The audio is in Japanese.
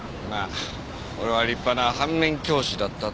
俺は立派な反面教師だったって事か。